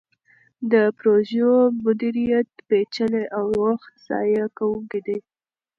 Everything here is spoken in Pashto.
د پروژو مدیریت پیچلی او وخت ضایع کوونکی دی.